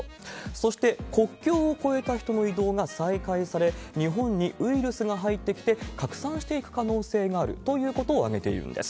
そして、国境を越えた人の移動が再開され、日本にウイルスが入ってきて、拡散していく可能性があるということを挙げているんです。